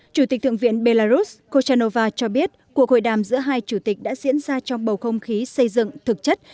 chủ tịch thượng viện belarus kochanova cho biết cuộc hội đàm giữa hai chủ tịch đã diễn ra trong bầu không khí xây dựng thực chất